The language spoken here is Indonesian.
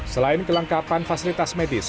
selain kelengkapan fasilitas medis